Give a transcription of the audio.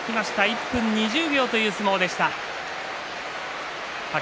１分２０秒という相撲でした。